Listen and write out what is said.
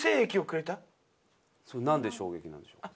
それなんで衝撃なんでしょう？